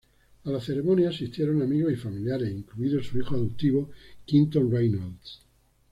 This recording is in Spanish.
A la ceremonia asistieron amigos y familiares, incluido su hijo adoptivo Quinton Reynolds.